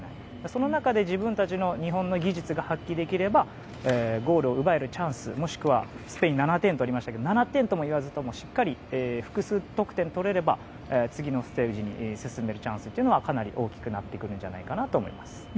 その中で日本の技術が発揮できればゴールを奪えるチャンスもしくはスペイン７点取りましたが７点とは言わずともしっかり複数得点を取れれば次のステージに進めるチャンスはかなり大きくなってくると思います。